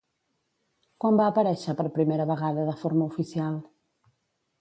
Quan va aparèixer per primera vegada de forma oficial?